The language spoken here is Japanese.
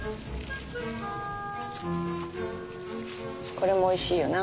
これもおいしいよな。